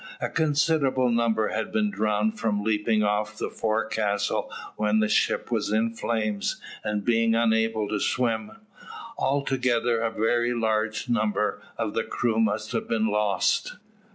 A considerable number had been drowned from leaping off the forecastle when the ship was in flames, and being unable to swim. Altogether a very large number of the crew must have been lost.